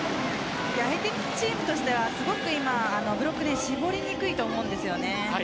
相手チームとしてはすごくブロックを絞りにくいと思うんですよね。